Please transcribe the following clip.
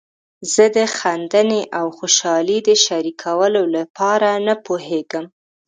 زه د خندنۍ او خوشحالۍ د شریکولو لپاره نه پوهیږم.